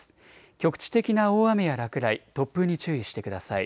局地的な大雨や落雷、突風に注意してください。